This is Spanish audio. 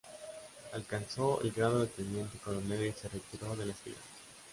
Alcanzó el grado de teniente coronel y se retiró de las filas.